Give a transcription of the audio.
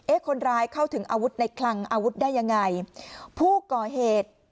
คนร้ายเข้าถึงอาวุธในคลังอาวุธได้ยังไงผู้ก่อเหตุ